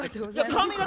髪形